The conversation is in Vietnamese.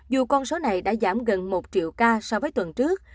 dù con số này đã giảm gần một triệu ca so với tuần trước